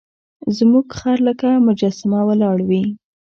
زموږ خر لکه مجسمه ولاړ وي.